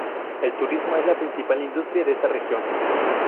El turismo es la principal industria de esta región.